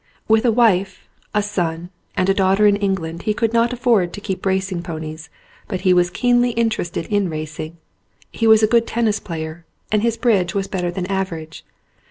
With a wife, a son, and a daughter in England he could not afford to keep racing ponies, but he was keenly interested in racing; he was a good tennis player, and his bridge was better than the average.